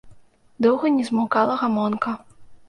Доўга не змаўкала гамонка.